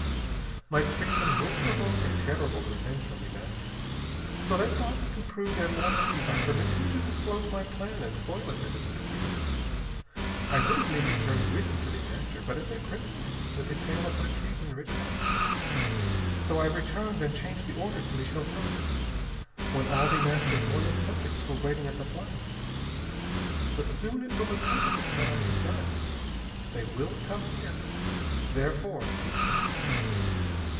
My treason would provoke a terrible revenge from The Master, so they thought to prove their loyalty by permitting me to disclose my plan and foil it at its beginning. "I would have made the journey with you to The Master, but as a prisoner with the tale of my treason written out. So I returned and changed the orders to the chauffeur, when all the Master's loyal subjects were waiting at the flying field. But soon it will occur to them what I have done. They will come here. Therefore, hasten!"